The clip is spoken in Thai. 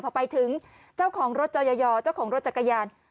พอไปถึงเจ้าของรถจอยอเจ้าของรถจักรยาน